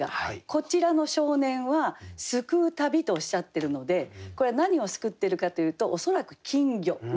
こちらの少年は「すくうたび」とおっしゃってるのでこれは何をすくってるかというと恐らく金魚なんですね。